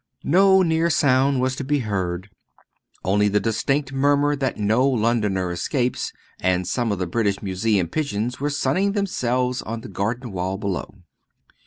No near sound was to be heard, only the distant murmur that no Londoner escapes; and some of the British Museum pigeons were sunning themselves on the garden wall below.